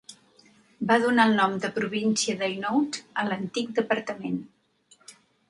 Va donar el nom de província d'Hainaut a l'antic departament.